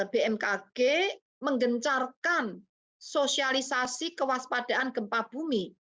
bmkg menggencarkan sosialisasi kewaspadaan gempa bumi